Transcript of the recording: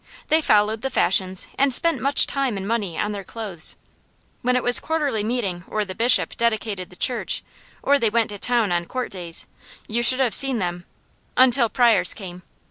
They followed the fashions and spent much time and money on their clothes. When it was Quarterly Meeting or the Bishop dedicated the church or they went to town on court days, you should have seen them until Pryors came.